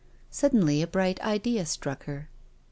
Suddenly a bright idea struck her.